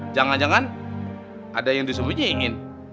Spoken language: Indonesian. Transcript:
jangan jangan ada yang disembunyiin